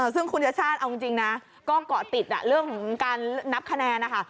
ซึ่งคุณชัชช่านเอาจริงนะก็ก่อติดเรื่องการนับคะแนนค่ะ